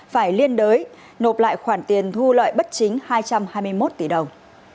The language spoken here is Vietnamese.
phải liên đới nộp lại khoản tiền thu lợi bất chính hai trăm hai mươi một tỷ đồng